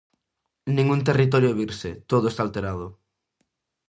Ningún territorio é virxe, todo está alterado.